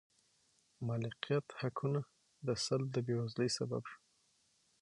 مالکیت حقونو سلب د بېوزلۍ سبب شو.